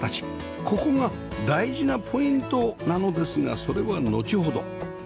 ここが大事なポイントなのですがそれはのちほど